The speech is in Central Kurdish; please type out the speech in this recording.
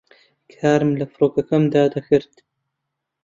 کارم لە فڕۆکەکەمدا دەکرد